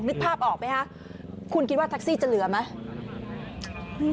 นึกภาพออกไหมคะคุณคิดว่าแท็กซี่จะเหลือไหม